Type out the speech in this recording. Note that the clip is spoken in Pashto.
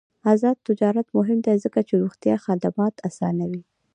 آزاد تجارت مهم دی ځکه چې روغتیا خدمات اسانوي.